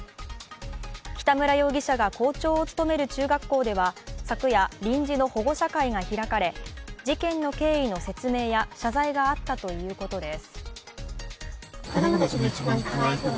北村容疑者が校長を務める中学校では、昨夜、臨時の保護者会が開かれ事件の経緯の説明や謝罪があったということです。